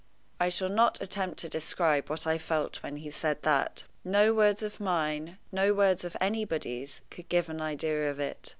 I shall not attempt to describe what I felt when he said that. No words of mine, no words of anybody's, could give an idea of it.